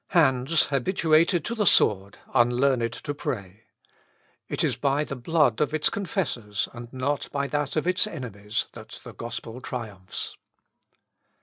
Hands habituated to the sword, unlearned to pray. It is by the blood of its confessors, and not by that of its enemies, that the gospel triumphs.